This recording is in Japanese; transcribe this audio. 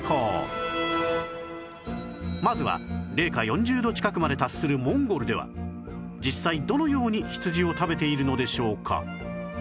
まずは零下４０度近くまで達するモンゴルでは実際どのように羊を食べているのでしょうか？